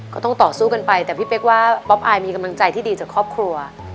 ก็ต้องต่อสู้กันไปแต่พี่เป๊กว่าป๊อปอายมีกำลังใจที่ดีจากครอบครัว